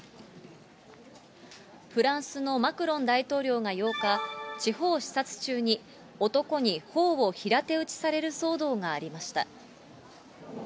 フランスのマクロン大統領が８日、地方視察中に、男にほおを平手打ちされる騒動がありました。